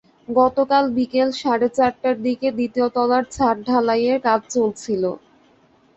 গতকাল বিকেল সাড়ে চারটার দিকে দ্বিতীয় তলার ছাদ ঢালাইয়ের কাজ চলছিল।